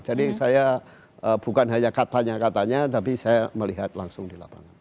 jadi saya bukan hanya katanya katanya tapi saya melihat langsung di lapangan